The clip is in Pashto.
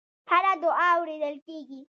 هره دعا اورېدل کېږي.